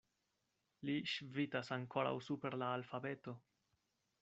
Li ŝvitas ankoraŭ super la alfabeto.